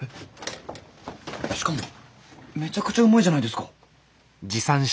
しかもめちゃくちゃうまいじゃないですか。